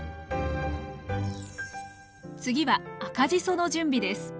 次は赤じその準備です。